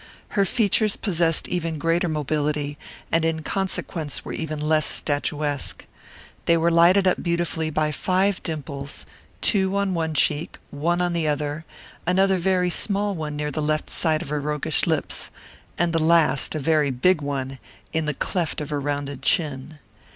Her features possessed even greater mobility, and in consequence were even less statuesque. They were lighted up beautifully by five dimples: two on one cheek, one on the other, another very small one near the left side of her roguish lips, and the last and a very big one in the cleft of her rounded chin.